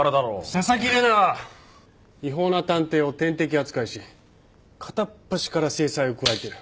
紗崎玲奈は違法な探偵を天敵扱いし片っ端から制裁を加えてる。